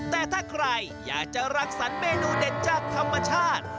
แต่ถ้าใครอยากจะรังสรรคเมนูเด็ดจากธรรมชาติ